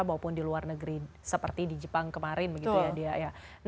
maupun di luar negeri seperti di jepang kemarin